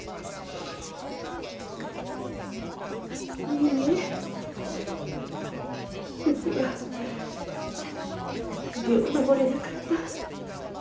ネーネーうちは秀夫を守れなかった。